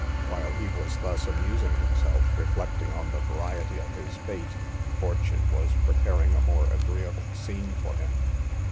While he was thus amusing himself, reflecting on the variety of his fate, fortune was preparing a more agreeable scene for him.